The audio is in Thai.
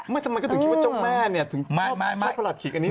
ไม่ถามไม่ก็ถึงคิดว่าเจ้าแม่เนี่ยที่ถูกชอบปรัสขิกอันนี้หรอ